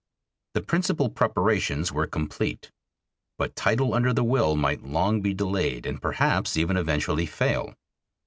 The principal preparations were complete. But title under the will might long be delayed and perhaps even eventually fail.